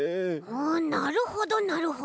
あなるほどなるほど。